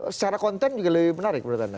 secara konten juga lebih menarik menurut anda